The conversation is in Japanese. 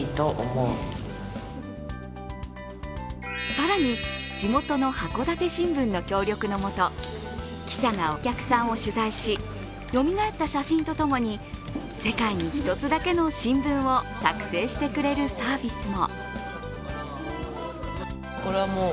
更に地元の「函館新聞」の協力のもと記者がお客さんを取材し、よみがえった写真とともに世界に一つだけの新聞を作成してくれるサービスも。